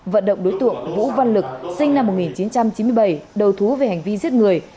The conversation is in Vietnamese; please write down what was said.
vận động đối tượng vũ văn lực sinh năm một nghìn chín trăm chín mươi bảy đầu thú về hành vi giết người